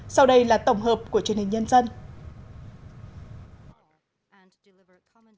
sau đây là tổng hợp của truyền hình nhân dân